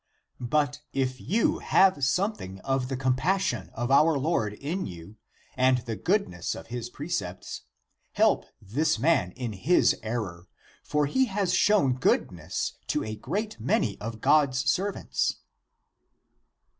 But if you have something of the compassion of our Lord in you and the goodness of his precepts, help this man in his error; for he has shown goodness to a great many of God's servants."